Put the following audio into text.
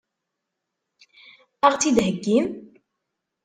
Ad ɣ-tt-id-heggim?